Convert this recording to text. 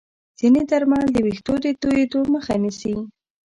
ځینې درمل د ویښتو د توییدو مخه نیسي.